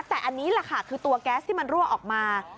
แต่อันนี้แหละค่ะคือตัวแก๊สที่มันรั่วออกมา